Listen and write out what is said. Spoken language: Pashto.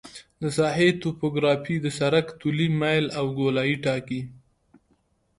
د ساحې توپوګرافي د سرک طولي میل او ګولایي ټاکي